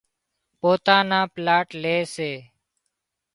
پوتان نا پلاٽ لي سي